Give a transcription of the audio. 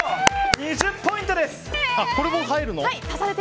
２０ポイントです！